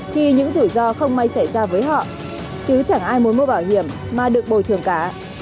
thì những rủi ro không may xảy ra với họ chứ chẳng ai muốn mua bảo hiểm mà được bồi thường cả